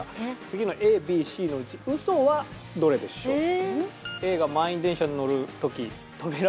次のＡＢＣのうちウソはどれでしょう？